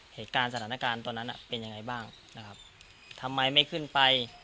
เหตุการณ์สถานการณ์ตอนนั้นเป็นยังไงบ้างนะครับทำไมไม่ขึ้นไป